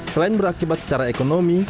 selain berakibat secara ekonomi